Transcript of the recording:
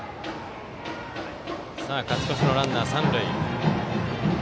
勝ち越しのランナーが三塁。